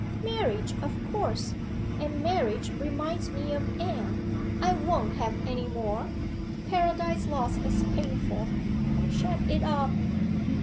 Marriage, of course! And marriage reminds me of Anne. I won't have any more. Paradise Lost is painful. Shut it up.